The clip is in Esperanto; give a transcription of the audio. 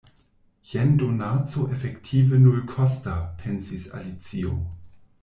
"Jen donaco efektive nulkosta!" pensis Alicio.